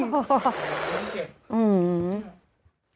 มันเก็บ